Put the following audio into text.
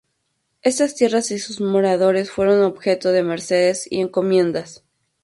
Estas tierras y sus moradores fueron objeto de mercedes y encomiendas.